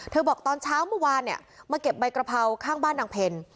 บอกตอนเช้าเมื่อวานเนี่ยมาเก็บใบกระเพราข้างบ้านนางเพล